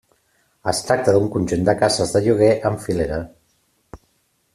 Es tracta d'un conjunt de cases de lloguer en filera.